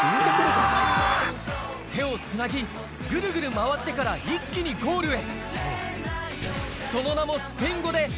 手をつなぎグルグル回ってから一気にゴールへ